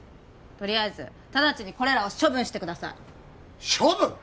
とりあえず直ちにこれらを処分してください処分！？